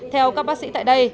theo các bác sĩ tại đây